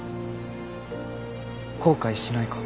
後悔しないか。